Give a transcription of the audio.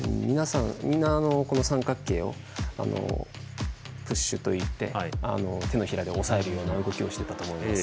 みんな、三角形をプッシュといって手のひらで押さえるような動きをしていたと思います。